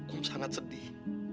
om sangat sedih